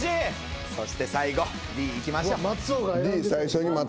そして最後Ｄいきましょう。